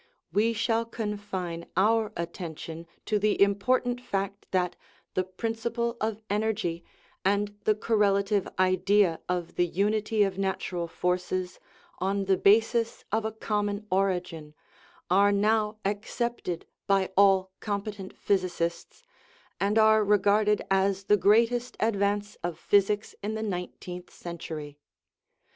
We shall confine our attention to the important fact that the " principle of 230 THE LAW OF SUBSTANCE energy " and the correlative idea of the unity of natu* ral forces, on the basis of a common origin, are now accepted by all competent physicists, and are re garded as the greatest advance of physics in the nine teenth century.